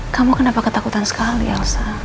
kamu kenapa ketakutan sekali elsa